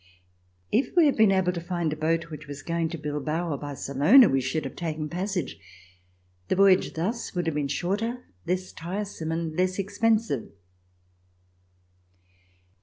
If we had been able to find a boat which was going to Bilbao or Barcelona, we should have taken passage. The voyage thus would have been shorter, less tiresome and less expensive.